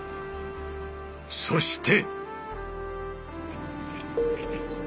そして！